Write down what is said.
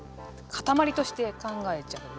かたまりとして考えちゃう。